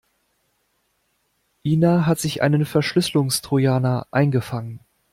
Ina hat sich einen Verschlüsselungstrojaner eingefangen.